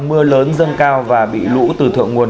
mưa lớn dâng cao và bị lũ từ thượng nguồn